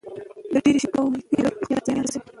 د ډېرې شکرې او مالګې خوړل روغتیا ته زیان رسوي.